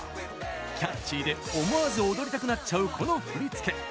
キャッチーで思わず踊りたくなっちゃうこの振り付け。